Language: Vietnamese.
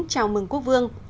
chào mừng quốc vương